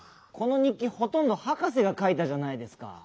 この日記ほとんどハカセがかいたじゃないですか。